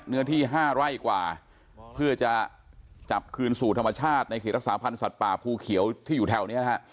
เนื้อที่๕ไร่กว่าเพื่อจะจับคืนสู่ธรรมชาติในเขตรักษาพันธ์สัตว์ป่าภูเขียวที่อยู่แถวนี้นะฮะ